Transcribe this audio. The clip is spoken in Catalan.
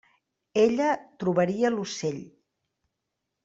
Ella trobaria l'ocell.